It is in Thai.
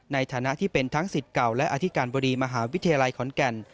ในฐานะที่เป็นทั้งสิทธิ์เก่าและอธิการบดีมหาวิทยาลัยขอนแก่น